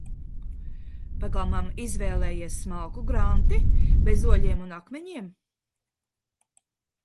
Pagalmam izvēlējies smalku granti, bez oļiem un akmeņiem.